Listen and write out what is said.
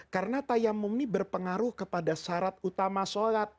karena tayamum ini berpengaruh kepada syarat utama sholat